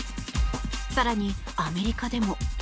更にアメリカでも。